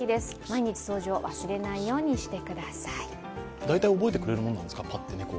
大体覚えてくれるものなんですか、猫は？